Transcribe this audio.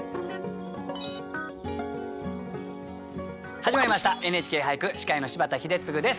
始まりました「ＮＨＫ俳句」司会の柴田英嗣です。